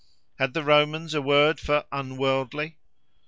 Had the Romans a word for unworldly?